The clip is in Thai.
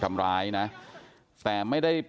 มันนี่เอากุญแจมาล้อมมันนี่อ่ะ